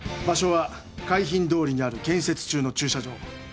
場所は海浜通りにある建設中の駐車場。